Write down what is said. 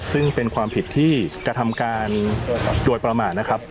ซึ่งเป็นความผิดที่กระทำการโดยประมาทนะครับ